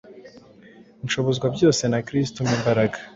"Nshobozwa byose na Kristo umpa imbaraga"